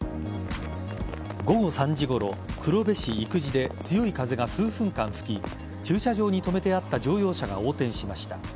午後３時ごろ、黒部市生地で強い風が数分間吹き駐車場に止めてあった乗用車が横転しました。